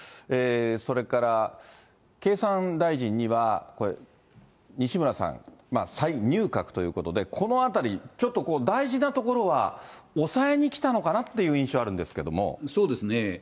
それから経産大臣には、西村さん、再入閣ということで、このあたり、ちょっと大事なところは押さえにきたのかなという印象あるんですそうですね。